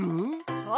そう。